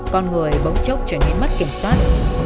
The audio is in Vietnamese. con người bỗng chốc trở nên mất kiểm soát